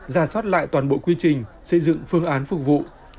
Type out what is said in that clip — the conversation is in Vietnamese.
giả soát lại toàn bộ quy trình xây dựng phương án phục vụ